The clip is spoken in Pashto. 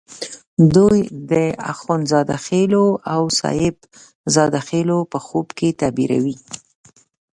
دوی د اخند زاده خېلو او صاحب زاده خېلو په خوب کې تعبیروي.